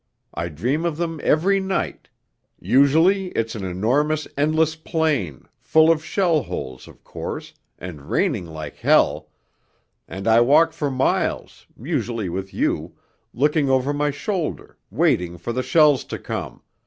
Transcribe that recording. I dream of them every night ... usually it's an enormous endless plain, full of shell holes, of course, and raining like hell, and I walk for miles (usually with you) looking over my shoulder, waiting for the shells to come